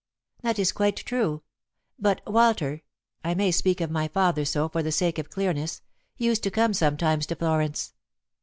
"That is quite true. But Walter I may speak of my father so for the sake of clearness used to come sometimes to Florence.